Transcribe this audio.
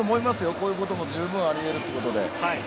こういうこともじゅうぶんあり得るということで。